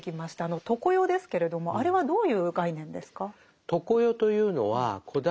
あの「常世」ですけれどもあれはどういう概念ですか？